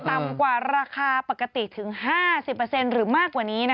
ต่ำกว่าราคาปกติถึง๕๐หรือมากกว่านี้